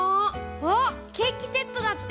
あっケーキセットだって！